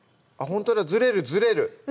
ほんとだずれるずれる